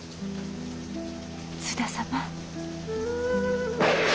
津田様。